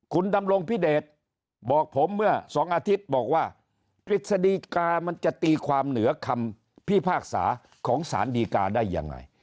คุณดำรงพิเดชบอกผมเมื่อ๒อาทิตย์บอกว่ากฤษฎีกามันจะตีความเหนือคำพิพากษาของสารดีกาได้ยังไง